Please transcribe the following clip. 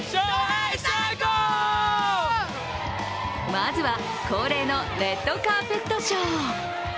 まずは恒例のレッドカーペットショー。